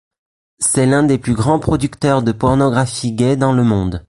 C'est l'un des plus grands producteurs de pornographie gay dans le monde.